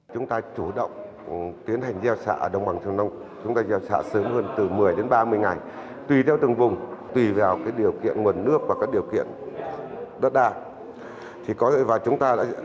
chúng ta chủ động tiến hành gieo xạ ở đồng bằng trường nông chúng ta gieo xạ sớm hơn từ một mươi đến ba mươi ngày tùy theo từng vùng tùy vào điều kiện nguồn nước và các điều kiện đất đa